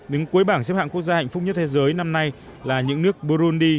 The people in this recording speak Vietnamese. đứng cuối bảng xếp hạng quốc gia hạnh phúc nhất thế giới năm nay là những nước burundi